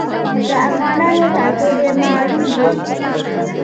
د افغانانو ټاټوبی معلوم دی.